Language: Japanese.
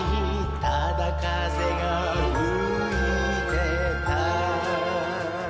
ただ風が吹いてた